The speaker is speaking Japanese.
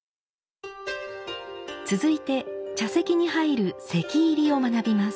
続いて茶室に入る「席入り」を学びます。